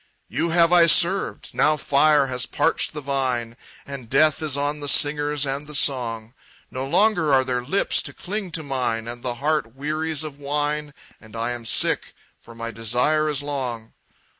"You have I served. Now fire has parched the vine, And Death is on the singers and the song. No longer are there lips to cling to mine, And the heart wearies of wine, And I am sick, for my desire is long.